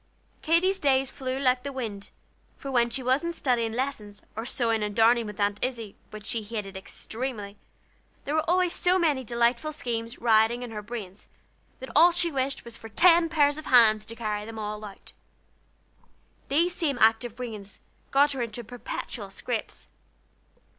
Katy's days flew like the wind; for when she wasn't studying lessons, or sewing and darning with Aunt Izzie, which she hated extremely, there were always so many delightful schemes rioting in her brains, that all she wished for was ten pairs of hands to carry them out. These same active brains got her into perpetual scrapes.